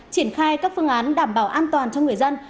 triển khai các phương án đảm bảo an toàn cho người dân